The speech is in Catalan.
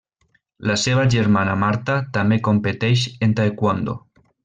La seva germana Marta també competeix en taekwondo.